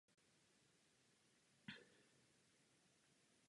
Proto se později od tohoto systému upustilo.